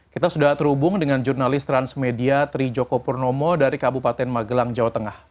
kita sudah terhubung dengan jurnalis transmedia trijoko purnomo dari kabupaten magelang jawa tengah